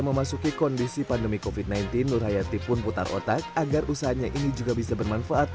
memasuki kondisi pandemi kofit sembilan belas nur hayati pun putar otak agar usahanya ini juga bisa bermanfaat